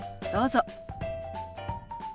どうぞ。